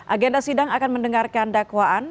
agenda sidang akan mendengarkan dakwaan